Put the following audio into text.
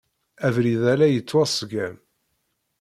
Abrid-a la yettwaṣeggam.